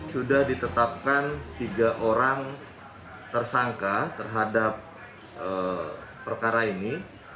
sudah ditetapkan tiga orang tersangka terhadap perkara ini